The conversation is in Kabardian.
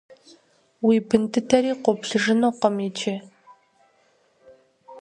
Уи бын дыдэри къоплъыжынукъым иджы.